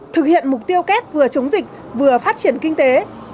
tiêu kép vừa chống dịch vừa phát triển kinh tế